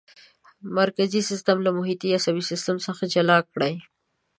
مرکزي سیستم له محیطي عصبي سیستم څخه جلا کړئ.